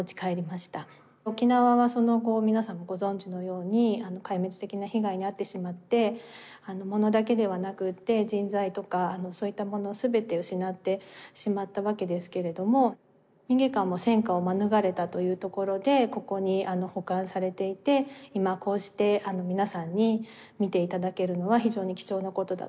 沖縄はその後皆さんもご存じのように壊滅的な被害に遭ってしまって物だけではなくって人材とかそういったものを全て失ってしまったわけですけれども民藝館も戦火を免れたというところでここに保管されていて今こうして皆さんに見て頂けるのは非常に貴重なことだと思っています。